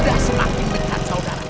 tidak semakin dekat saudara